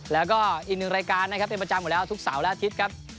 แล้วก็อีกหนึ่งรายการนะครับเป็นประจำหมดแล้วทุกเสาร์และอาทิตย์ครับ